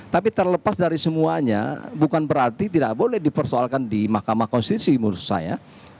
tapi terlepas dari semuanya bukan berarti tidak boleh dipersoalkan di mahkamah konstitusi menurut saya